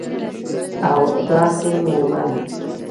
او داسي میرمن